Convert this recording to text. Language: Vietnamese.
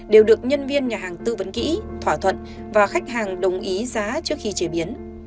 đều được nhân viên nhà hàng tư vấn kỹ thỏa thuận và khách hàng đồng ý giá trước khi chế biến